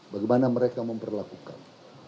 bagaimana mereka memperlakukan